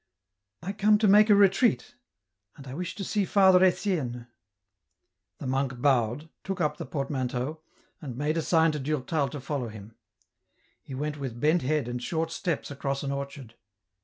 " I come to make a retreat, and I wish to see Father Etienne." The monk bowed, took up the portmanteau, and made a sign to Durtal to follow him. He went with bent head and short steps across an orchard.